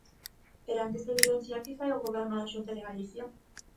Pero ante esta evidencia, ¿que fai o Goberno da Xunta de Galicia?